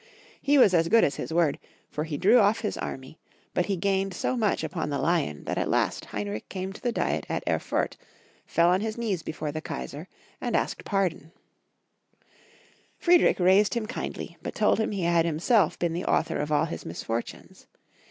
He was as good as his word, for he drew off his army, but he gained so much upon the Lion, that at last Heinrich came to the diet at Erfurt, fell on his knees before the Kaisar, and asked pardon Friedrich raised him kindly, but told him he had himself been the author of all his misfortunes.